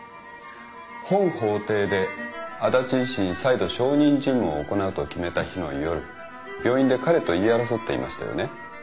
本法廷で足達医師に再度証人尋問を行うと決めた日の夜病院で彼と言い争っていましたよね。